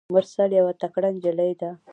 مرسل یوه تکړه نجلۍ ده.